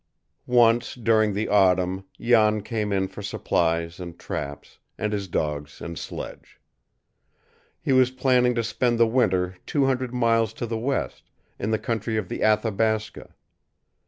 Once during the autumn Jan came in for supplies and traps, and his dogs and sledge. He was planning to spend the winter two hundred miles to the west, in the country of the Athabasca.